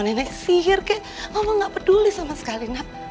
nenek sihir kek mama gak peduli sama sekali nak